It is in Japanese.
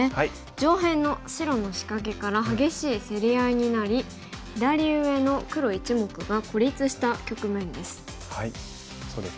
上辺の白の仕掛けから激しい競り合いになり左上の黒１目が孤立した局面です。